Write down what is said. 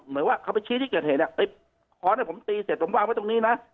เหมือนว่าเขาไปชี้ที่เกิดเหตุเนี่ยไอ้ค้อนผมตีเสร็จผมวางไว้ตรงนี้นะ